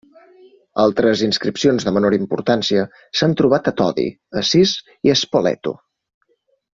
Altres inscripcions de menor importància s'han trobat a Todi, Assís i Spoleto.